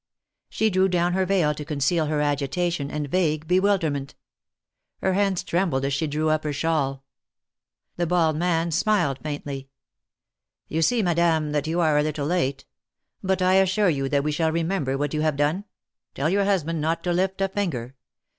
She drew down her veil to conceal her agitation and vague bewilderment. Her hands trembled as she drew up her shawl. The bald man smiled faintly. ^'You see, Madame, that you are a little late; but I assure you that we shall remember what you have done. Tell your husband not to lift a finger.